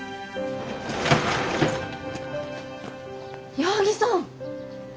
矢作さん！